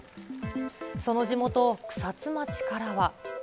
その地元、草津町からは。